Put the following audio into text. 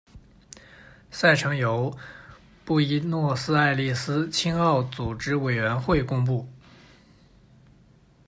赛程由布宜诺斯艾利斯青奥组织委员会公布。